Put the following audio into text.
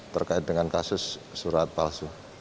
terkait dengan kasus surat palsu